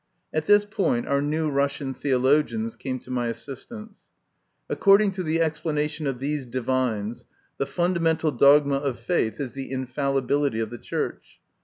At this point our new Russian theologians came to my assistance. According to the explanation of these divines, the fundamental dogma of faith is the infalli bility of the Church.